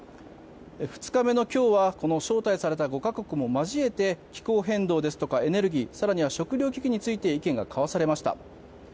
２日目の今日は招待された５か国も交えて気候変動やエネルギー更には食糧危機について意見が交わされました。